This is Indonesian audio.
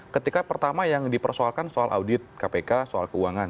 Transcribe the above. ketika pertama yang dipersoalkan soal audit kpk soal keuangan